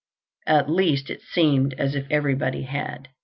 At least, it seemed as if everybody had.